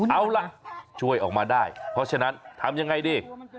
เอาล่ะช่วยออกมาได้เพราะฉะนั้นทำยังไงดี